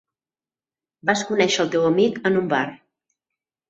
Vas conèixer el teu amic en un bar.